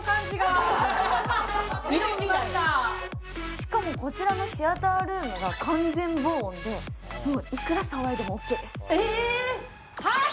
しかもこちらのシアタールームは完全防音でいくら騒いでもオッケーです。